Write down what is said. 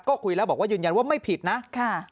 ก็คุยแล้วบอกว่ายืนยันว่าไม่ผิดนะค่ะ